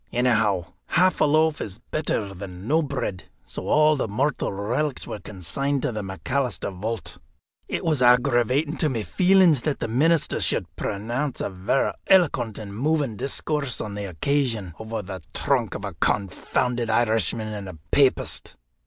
Anyhow, half a loaf is better than no bread, so all the mortal relics were consigned to the McAlister vault. It was aggravating to my feelings that the minister should pronounce a varra eloquent and moving discourse on the occasion over the trunk of a confounded Irishman and a papist."